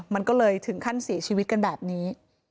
มันก็เลยถึงขั้นเสียชีวิตกันแบบนี้